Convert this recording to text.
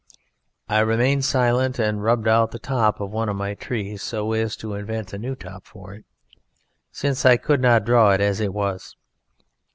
I remained silent, and rubbed out the top of one of my trees so as to invent a new top for it, since I could not draw it as it was.